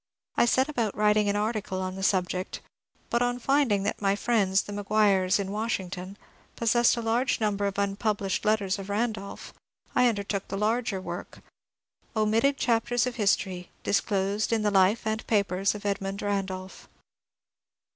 I set about writing an article on the subject, but on finding that my friends, the McGuires in Washington, possessed a large num ber of unpublished letters of Randolph I undertook the larger work, ^^ Omitted Chapters of History, disclosed in the Life and Papers of Edmund Randolph."